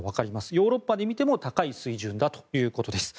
ヨーロッパで見ても高い水準だということです。